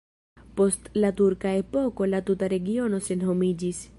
Post la turka epoko la tuta regiono senhomiĝis.